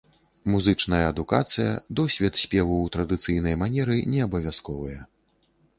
Музычная адукацыя, досвед спеву ў традыцыйнай манеры не абавязковыя.